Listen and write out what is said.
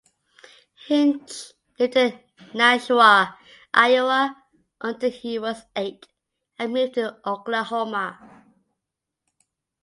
Hinch lived in Nashua, Iowa, until he was eight and moved to Oklahoma.